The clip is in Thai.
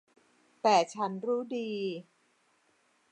แต่ฉันรู้ดี